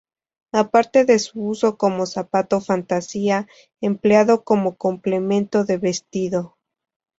A parte de su uso como zapato fantasía, empleado como complemento de vestido.